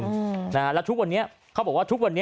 อืมนะฮะแล้วทุกวันนี้เขาบอกว่าทุกวันนี้